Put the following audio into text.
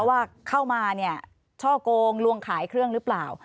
ว่าเข้ามาเนี่ยช่อกงลวงขายเครื่องหรือเปล่า